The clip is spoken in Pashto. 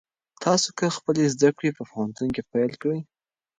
تاسو کله خپلې زده کړې په پوهنتون کې پیل کړې؟